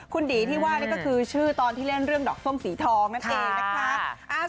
คุณดีที่ว่านี่ก็คือชื่อตอนที่เล่นเรื่องดอกส้มสีทองนั่นเองนะคะ